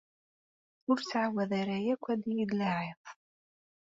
Ur ttɛawad ara akk ad iyi-d-tlaɛid!